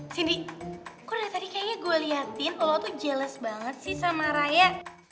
sindi kok dari tadi kayaknya gue liatin lo tuh jelas banget sih sama raya